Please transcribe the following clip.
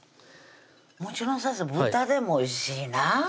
もちろん先生豚でもおいしいなそうですね